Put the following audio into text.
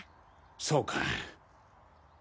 そうか。